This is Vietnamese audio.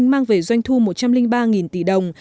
mang về doanh thu một trăm linh ba tỷ đồng